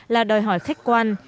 là đòi hỏi khách quan